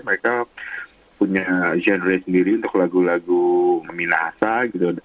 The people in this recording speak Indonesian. mereka punya genre sendiri untuk lagu lagu memilasa gitu